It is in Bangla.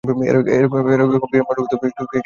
এরকম বিরান ভূমিতে কে থাকে?